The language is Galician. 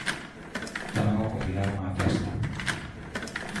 Tamén o convidaron á festa.